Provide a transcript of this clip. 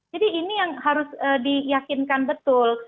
jadi ini yang harus diyakinkan betul